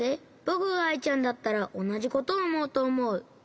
ぼくがアイちゃんだったらおなじことおもうとおもう。